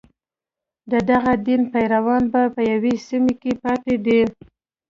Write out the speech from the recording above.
د دغه دین پیروان په یوه سیمه کې پاتې دي.